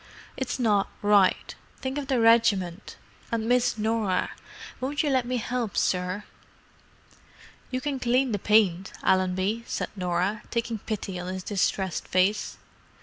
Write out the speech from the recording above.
"It's not right: think of the regiment. And Miss Norah. Won't you let me 'elp sir?" "You can clean the paint, Allenby," said Norah, taking pity on his distressed face.